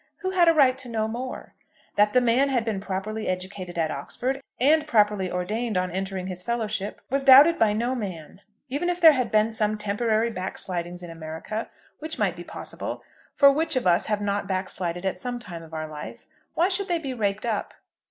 Who had a right to know more? That the man had been properly educated at Oxford, and properly ordained on entering his Fellowship, was doubted by no man. Even if there had been some temporary backslidings in America, which might be possible, for which of us have not backslided at some time of our life? why should they be raked up?